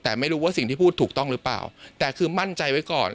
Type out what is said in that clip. แต่ไม่รู้ว่าสิ่งที่พูดถูกต้องหรือเปล่าแต่คือมั่นใจไว้ก่อน